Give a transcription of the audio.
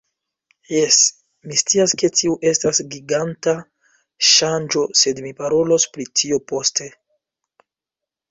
Jes, mi scias ke tiu estas giganta ŝanĝo sed mi parolos pri tio poste